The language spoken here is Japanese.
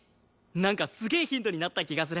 なんかすげえヒントになった気がする。